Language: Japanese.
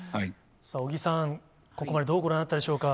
尾木さん、ここまでどうご覧になったでしょうか。